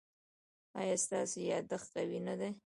ایا ستاسو یادښت قوي نه دی؟